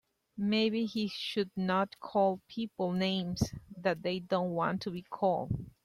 Maybe he should not call people names that they don't want to be called.